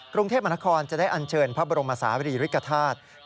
กรุงเทพมนาคมจะได้อันเชิญพระบรมศาวิริริกษาธรรม